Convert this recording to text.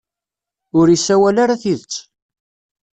Ur isawal ara tidet.